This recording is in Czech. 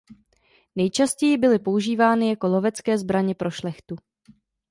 Nejčastěji byly používány jako lovecké zbraně pro šlechtu.